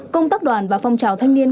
công tác đoàn và phong trào thanh niên